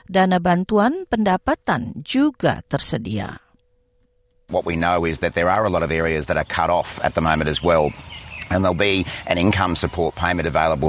dana bantuan pendapatan juga tersedia